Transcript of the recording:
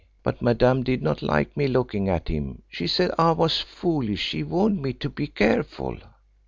But Madame did not like me looking at him; she said I was foolish; she warned me to be careful."